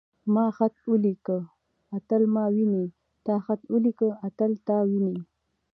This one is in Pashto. ما خط وليکه. اتل ما ويني.تا خط وليکه. اتل تا ويني.